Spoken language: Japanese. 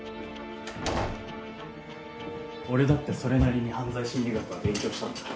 俺だってそれなりに犯罪心理学は勉強したんだ。